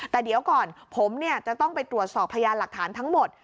แต่เดี๋ยวก่อนผมจะต้องไปตรวจสอบพยานหลักฐานทั้งหมด